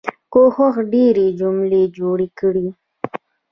کوښښ ډيرې جملې جوړې کړم.